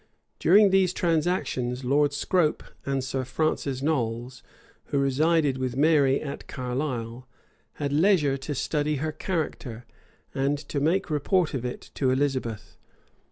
During these transactions, Lord Scrope and Sir Francis Knolles, who resided with Mary at Carlisle, had leisure to study her character, and to make report of it to Elizabeth.